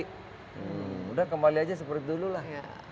sudah kembali saja seperti dulu lah